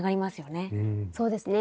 そうですね。